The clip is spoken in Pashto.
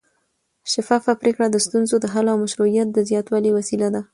شفافه پرېکړې د ستونزو د حل او مشروعیت د زیاتوالي وسیله دي